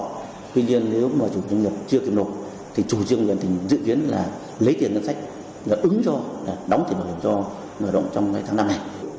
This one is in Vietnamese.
tuy nhiên nếu mà chủ chương nghiệp chưa kiếm nộp thì chủ chương nghiệp dự kiến là lấy tiền ngân sách đón tiền bảo hiểm cho người lao động trong tháng năm này